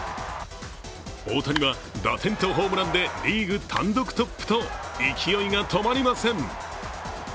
大谷は、打点とホームランでリーグ単独トップと勢いが止まりません。